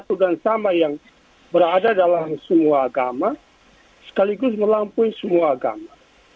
satu dan sama yang berada dalam semua agama sekaligus melampaui semua agama